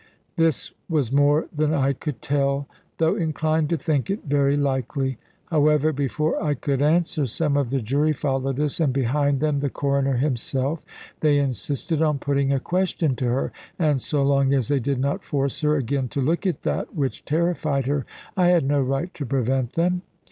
This was more than I could tell, though inclined to think it very likely. However, before I could answer, some of the jury followed us, and behind them the Coroner himself; they insisted on putting a question to her, and so long as they did not force her again to look at that which terrified her, I had no right to prevent them.